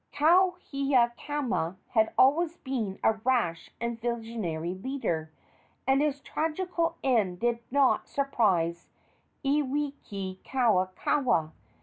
Kauhiakama had always been a rash and visionary leader, and his tragical end did not surprise Iwikauikaua.